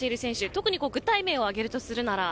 特に具体名を挙げるとするなら。